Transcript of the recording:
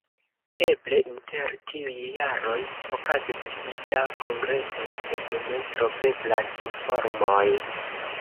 Eble inter tiuj jaroj okazis pli da kongresoj, sed ne troveblas informoj.